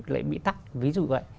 lại bị tắt ví dụ vậy